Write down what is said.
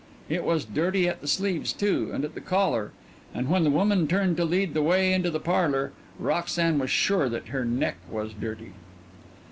It was dirty at the sleeves, too, and at the collar and when the woman turned to lead the way into the parlor, Roxanne was sure that her neck was dirty.